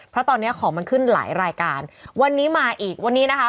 เพราะตอนเนี้ยของมันขึ้นหลายรายการวันนี้มาอีกวันนี้นะคะ